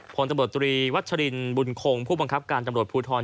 พลตำรวจตรีวัชรินบุญคงผู้บังคับการตำรวจภูทร